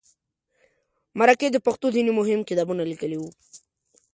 مرکې د پښتو ځینې مهم کتابونه لیکلي وو.